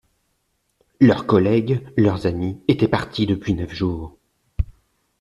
Leurs collègues, leurs amis étaient partis depuis neuf jours!